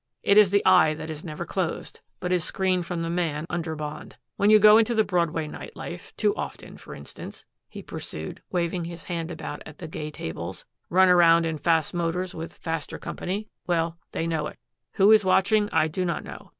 It is the eye that is never closed, but is screened from the man under bond. When you go into the Broadway night life too often, for instance," he pursued, waving his hand about at the gay tables, "run around in fast motors with faster company well, they know it. Who is watching, I do not know.